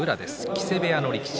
木瀬部屋の力士。